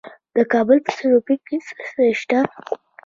د کابل په سروبي کې څه شی شته؟